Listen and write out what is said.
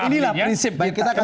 nah inilah prinsip